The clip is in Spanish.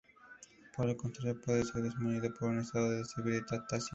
Por el contrario, puede ser disminuido por un estado de deshidratación.